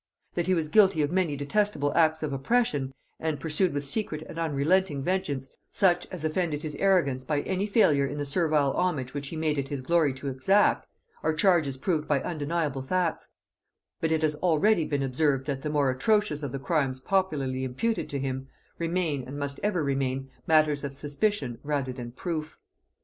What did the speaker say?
That he was guilty of many detestable acts of oppression, and pursued with secret and unrelenting vengeance such as offended his arrogance by any failure in the servile homage which he made it his glory to exact, are charges proved by undeniable facts; but it has already been observed that the more atrocious of the crimes popularly imputed to him, remain, and must ever remain, matters of suspicion rather than proof.